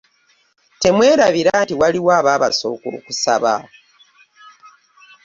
Temwerabira nti waliwo abaabasooka okusaba.